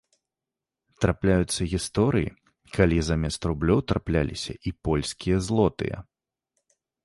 Трапляюцца гісторыі, калі замест рублёў трапляліся і польскія злотыя.